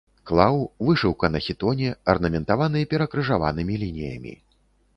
Клаў, вышыўка на хітоне, арнаментаваны перакрыжаванымі лініямі.